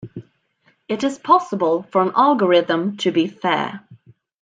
It is possible for an algorithm to be fair.